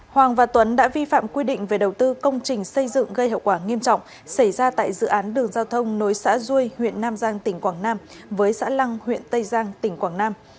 hoàng và tuấn đã vi phạm quy định về đầu tư công trình xây dựng gây hậu quả nghiêm trọng xảy ra tại dự án đường giao thông nối xã rui huyện nam giang tỉnh quảng nam với xã lăng huyện tây giang tỉnh quảng nam